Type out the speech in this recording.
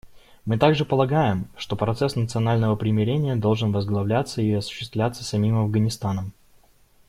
Мы также полагаем, что процесс национального примирения должен возглавляться и осуществляться самим Афганистаном.